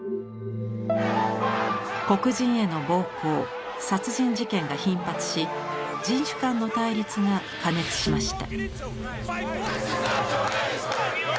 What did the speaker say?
黒人への暴行殺人事件が頻発し人種間の対立が過熱しました。